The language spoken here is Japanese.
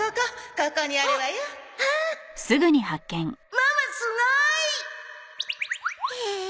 ママすごい！へえ！